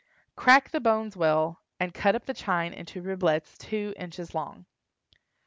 Crack the bones well, and cut up the chine into riblettes two inches long.